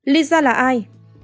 lisa là ai